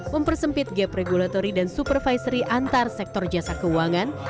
mempersempit gap regulatory dan supervisory antar sektor jasa keuangan